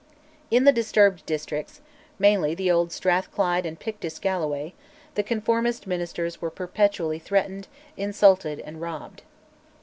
In the disturbed districts mainly the old Strathclyde and Pictish Galloway the conformist ministers were perpetually threatened, insulted, and robbed.